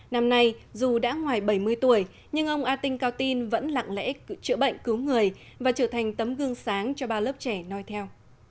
năm nay dù đã ngoài bảy mươi tuổi nhưng ông a tinh cao tin vẫn lặng lẽ chữa bệnh cứu người và trở thành tấm gương sáng cho ba lớp trẻ nói theo